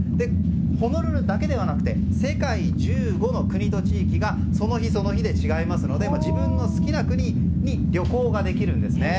ホノルルだけではなくて世界１５の国と地域がその日その日で違いますので自分の好きな国に旅行ができるんですね。